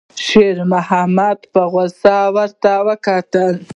شېرمحمد په غوسه ورته وکتل.